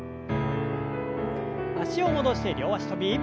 脚を戻して両脚跳び。